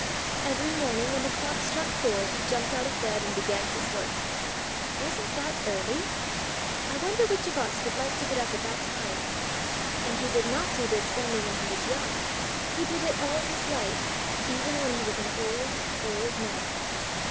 Every morning when the clock struck four he jumped out of bed, and began his work. Wasn't that early? I wonder which of us would like to get up at that time? And he did not do this only when he was young, he did it all his life, even when he was an old, old man.